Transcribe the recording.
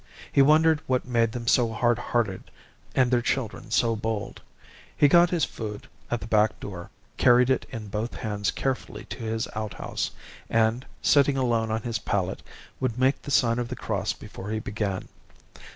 He wondered what made them so hardhearted and their children so bold. He got his food at the back door, carried it in both hands carefully to his outhouse, and, sitting alone on his pallet, would make the sign of the cross before he began.